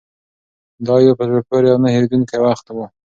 دا یو په زړه پورې او نه هېرېدونکی وخت و.